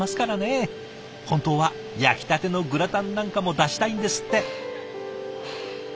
本当は焼きたてのグラタンなんかも出したいんですって。